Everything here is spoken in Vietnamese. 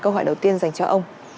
câu hỏi đầu tiên dành cho ông